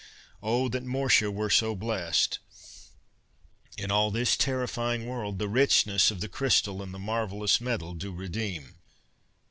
Oh, that Mortia were so blessed! In all this terrifying world, the richness of the crystal and the marvelous metal do redeem.